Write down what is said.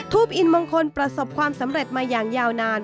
อินมงคลประสบความสำเร็จมาอย่างยาวนาน